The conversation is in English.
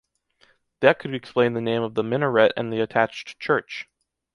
That could explain the name of the minaret and the attached church.